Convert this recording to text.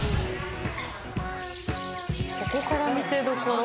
ここから見せどころ？